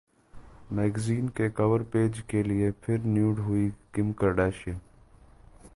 magazine के cover page के लिए फिर न्यूड हुई किम कार्दाशियां